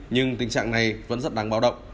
nhưng tình trạng này vẫn rất đáng báo động